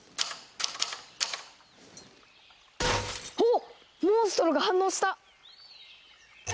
おっモンストロが反応した！